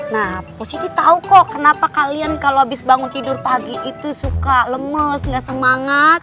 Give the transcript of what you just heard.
nah posisi tahu kok kenapa kalian kalau habis bangun tidur pagi itu suka lemes gak semangat